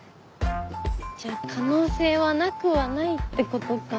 じゃあ可能性はなくはないってことか。